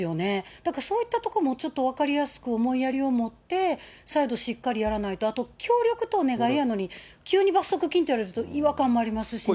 なんかそういったところもちょっと分かりやすく、思いやりを持って再度しっかりやらないと、あと、協力とお願いやのに、急に罰則金って言われると違和感もありますしね。